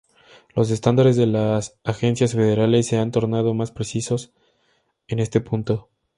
Los estándares de las agencias federales se han tornado más precisos en este punto.